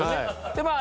でまあ